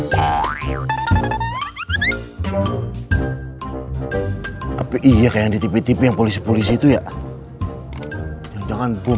tapi iya kayak di tipe tipe polisi polisi itu ya jangan belum